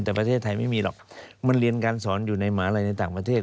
แต่ประเทศไทยไม่มีหรอกมันเรียนการสอนอยู่ในหมาลัยในต่างประเทศ